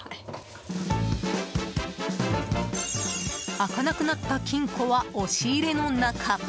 開かなくなった金庫は押し入れの中。